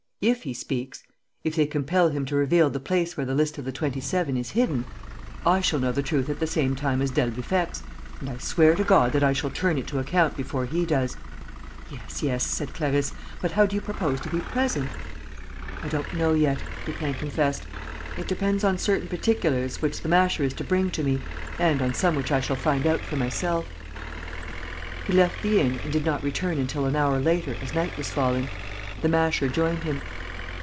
If he speaks, if they compel him to reveal the place where the list of the Twenty seven is hidden, I shall know the truth at the same time as d'Albufex, and I swear to God that I shall turn it to account before he does." "Yes, yes," said Clarisse. "But how do you propose to be present?" "I don't know yet," Lupin confessed. "It depends on certain particulars which the Masher is to bring me and on some which I shall find out for myself." He left the inn and did not return until an hour later as night was falling. The Masher joined him.